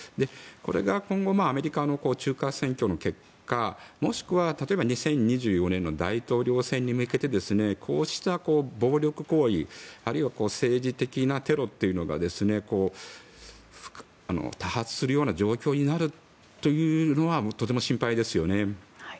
これが今後アメリカの中間選挙の結果もしくは例えば２０２４年の大統領選に向けてこうした暴力行為あるいは政治的なテロというのが多発するような状況になるというのはとても心配ですよね。